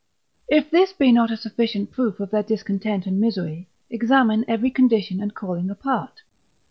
If this be not a sufficient proof of their discontent and misery, examine every condition and calling apart.